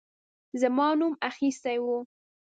زما نوم اخیستی وو.